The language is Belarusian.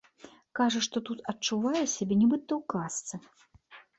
Кажа, што тут адчувае сябе нібыта ў казцы.